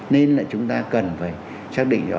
nên là chúng ta cần phải xác định rõ